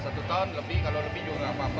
satu tahun lebih kalau lebih juga nggak apa apa